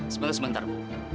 sebentar sebentar ma